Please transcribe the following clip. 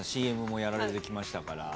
ＣＭもやられてきましたから。